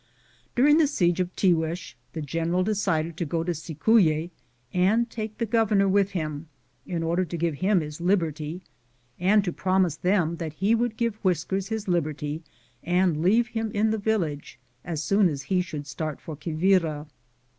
During the siege of Tiguez the general decided to go to Cicuye and take the gover nor with him, in order to give him his liberty and to promise them that he would give Whiskers his liberty and leave him in the village, as soon as he should start for Qui vira.